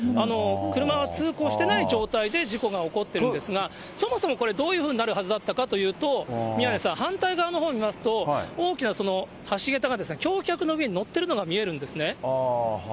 車は通行してない状態で事故が起こっているんですが、そもそもこれ、どういうふうになるはずだったかというと、宮根さん、反対側のほう見ますと、大きな橋桁が橋脚の上に載ってるのが見えるんですね。